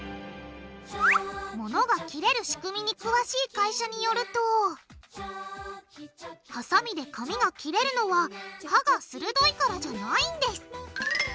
モノが切れる仕組みに詳しい会社によるとハサミで紙が切れるのは刃が鋭いからじゃないんです。